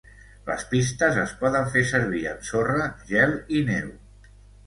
Les pistes es poden fer servir en sorra, gel i neu.